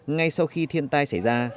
ngay sau khi thiên tai xảy ra